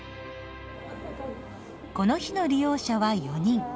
この日の利用者は４人。